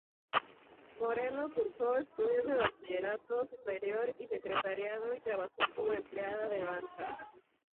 Moreno cursó estudios de Bachillerato Superior y Secretariado y trabajó como empleada de banca.